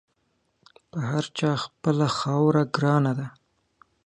پر هر چا خپله خاوره ګرانه وي.